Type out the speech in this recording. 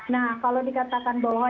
nah kalau dikatakan bahwa